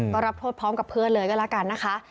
ก็รับโทษพร้อมกับเพื่อนเลยก็แล้วกันนะคะ